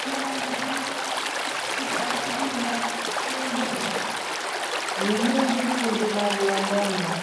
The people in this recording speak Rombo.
Linu ngikundi maru a nyama.